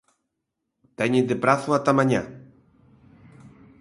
Teñen de prazo ata mañá.